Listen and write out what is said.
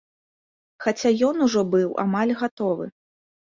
Хаця ён ужо быў амаль гатовы.